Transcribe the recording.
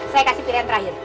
saya kasih pilihan terakhir